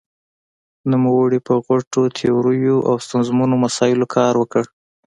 نومړې په غټو تیوریو او ستونزمنو مسايلو کار وکړ.